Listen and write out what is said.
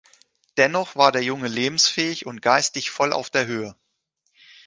Dennoch war der Junge lebensfähig und geistig voll auf der Höhe.